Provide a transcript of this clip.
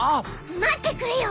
待ってくれよ。